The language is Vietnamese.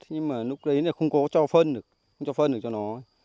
nhưng mà lúc đấy là không có cho phân được không cho phân được cho nó